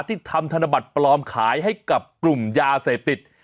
ที่ทำธนบัตรปลอมขายให้กับกลุ่มยาเสพติด